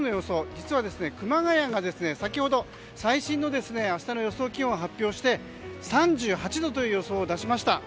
実は、熊谷が先ほど最新の明日の予想気温を発表して３８度という予想を出しました。